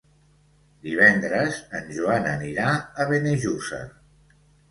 Divendres en Joan anirà a Benejússer.